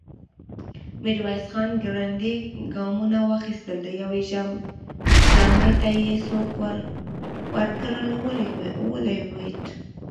ميرويس خان ګړندي ګامونه واخيستل، د يوه ژامې ته يې سوک ورکړ، ولوېد.